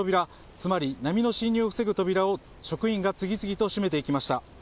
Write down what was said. つまり波の侵入を防ぐ扉を職員が次々と閉めていきました。